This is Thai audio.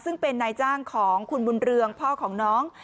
ซึ่งเป็นนายจ้างของคุณบุญเรืองพ่อของน้อง